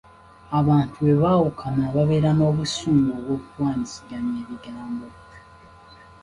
Abantu bwe baawukana babeera n’obusungu obw’okuwaanyisiganya ebigambo.